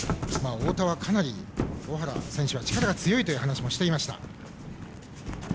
太田は、かなり尾原選手は力が強いと話していました。